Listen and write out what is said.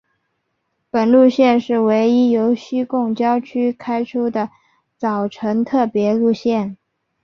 本路线是唯一由西贡郊区开出的早晨特别路线。